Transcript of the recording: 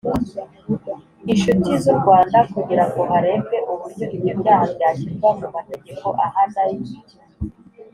inshuti z u Rwanda kugira ngo harebwe uburyo ibyo byaha byashyirwa mu mategeko ahana y